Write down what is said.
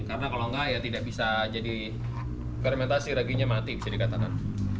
karena kalau nggak ya tidak bisa jadi fermentasi raginya mati bisa dikatakan